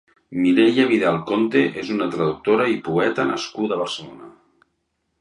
Mireia Vidal-Conte és una traductora i poeta nascuda a Barcelona.